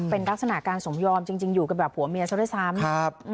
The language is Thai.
เป็นลักษณะการสมยอมจริงอยู่กันแบบผัวเมียซะด้วยซ้ำ